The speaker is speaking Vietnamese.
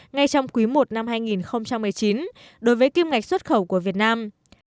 ngay trong quý i năm hai nghìn một mươi chín đối với kim ngạch xuất khẩu của việt nam